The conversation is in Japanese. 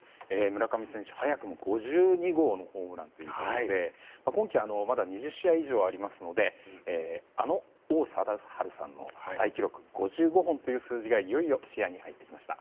村上選手、早くも５２号のホームランということで今季はまだ２０試合以上ありますのであの王貞治さんの大記録５５本という数字がいよいよ視野に入ってきました。